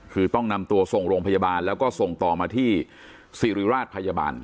คือต้องนำตัวส่งโรงพยาบาลแล้วก็ส่งต่อมาที่สิริราชพยาบาล